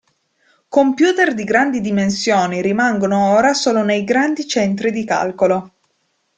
Computer di grandi dimensioni rimangono ora solo nei grandi centri di calcolo.